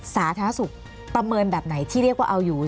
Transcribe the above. สาธารณสุขประเมินแบบไหนที่เรียกว่าเอาอยู่